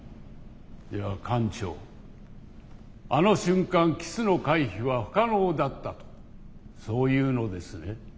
では艦長あの瞬間キスの回避は不可能だったとそう言うのですね？